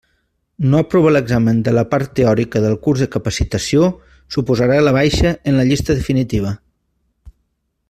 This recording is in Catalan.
No aprovar l'examen de la part teòrica del curs de capacitació suposarà la baixa en la llista definitiva.